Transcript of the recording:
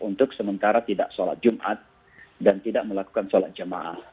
untuk sementara tidak salat jumat dan tidak melakukan salat jamaah